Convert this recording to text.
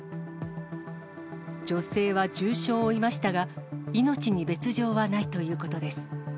女性は重傷を負いましたが、命に別状はないということです。